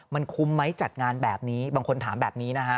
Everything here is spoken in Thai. มันคุ้มไหมจัดงานแบบนี้บางคนถามแบบนี้นะฮะ